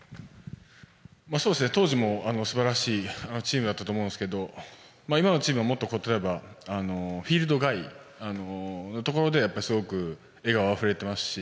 当時も素晴らしいチームだったと思うんですけど今のチームはもっとフィールド外のところですごく笑顔あふれていますし